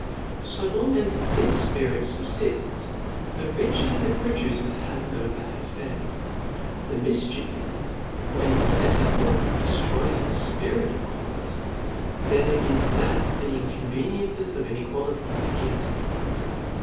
So long as this fpiric fubfifts, the riches it produces have fto bad cffeiSt. The mifchief is, when exceffive «fcalth dcftroys the fpirit of commerce ; then it is that the inconveaiencies of inequality begin to be felt.